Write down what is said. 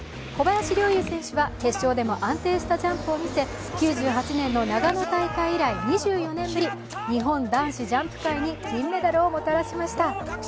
小林陵侑選手は決勝でも安定したジャンプを見せ９８年の長野大会以来２４年ぶり、日本男子ジャンプ界に金メダルをもたらしました。